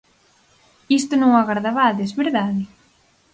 Isto non o agardabades, verdade?